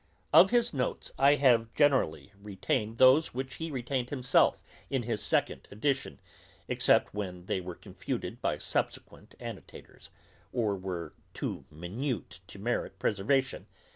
Of his notes I have generally retained those which he retained himself in his second edition, except when they were confuted by subsequent annotators, or were too minute to merit preservation.